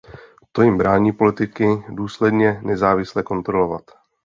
To jim brání politiky důsledně a nezávisle kontrolovat.